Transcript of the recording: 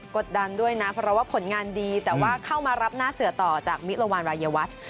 ดดันด้วยนะเพราะว่าผลงานดีแต่ว่าเข้ามารับหน้าเสือต่อจากมิรวรรณรายวัช